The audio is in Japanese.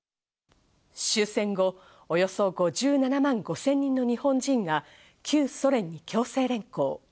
終戦後、およそ５７万５０００人の日本人が旧ソ連に強制連行。